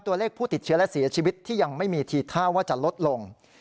ตัวเลขผู้ติดเชื้อและเสียชีวิตที่ยังไม่มีทีท่าว่าจะลดลง